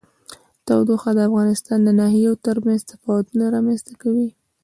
تودوخه د افغانستان د ناحیو ترمنځ تفاوتونه رامنځ ته کوي.